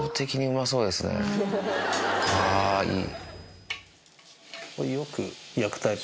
あぁいい。